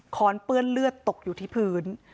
้อนเปื้อนเลือดตกอยู่ที่พื้น